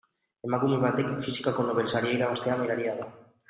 Emakume batek fisikako Nobel saria irabaztea miraria da.